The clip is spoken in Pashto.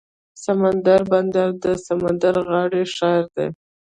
سمندري بندر د سمندر غاړې ښار دی.